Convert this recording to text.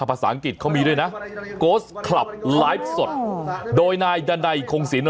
ภาษาอังกฤษเขามีด้วยนะโพสต์คลับไลฟ์สดโดยนายดันัยคงศิลป